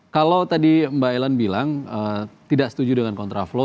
kalau tadi mbak ellen bilang tidak setuju dengan kontraflow